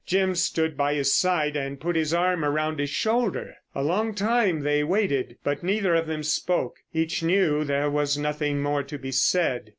Jim stood by his side and put his arm around his shoulder. A long time they waited, but neither of them spoke. Each knew there was nothing more to be said.